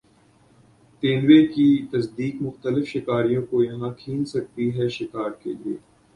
تیندوے کی تصدیق مختلف شکاریوں کو یہاں کھینچ سکتی ہے شکار کے لیے